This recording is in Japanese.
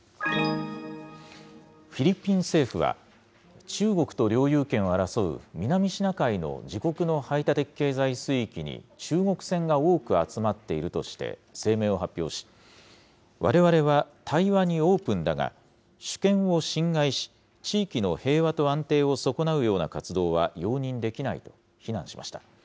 フィリピン政府は、中国と領有権を争う南シナ海の自国の排他的経済水域に中国船が多く集まっているとして、声明を発表し、われわれは対話にオープンだが、主権を侵害し、地域の平和と安定を損なうような活動は容認できないと非難しました。